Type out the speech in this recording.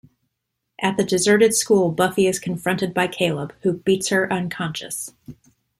At the deserted school Buffy is confronted by Caleb, who beats her unconscious.